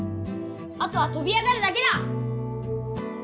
あとはとび上がるだけだ！